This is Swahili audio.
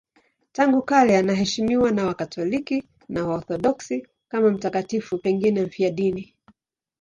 Tangu kale anaheshimiwa na Wakatoliki na Waorthodoksi kama mtakatifu, pengine mfiadini.